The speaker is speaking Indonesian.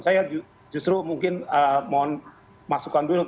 saya justru mungkin mohon masukkan dulu